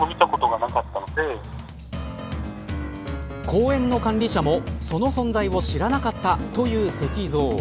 公園の管理者もその存在を知らなかったという石像。